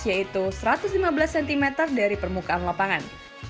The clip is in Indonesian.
yaitu satu ratus lima belas cm dari permukaan lapangan